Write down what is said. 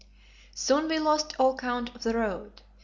Soon we lost all count of the road.